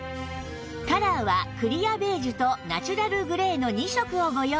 カラーはクリアベージュとナチュラルグレーの２色をご用意